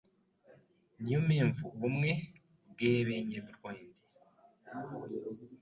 Niyo mpemvu ubumwe bw’Ebenyerwende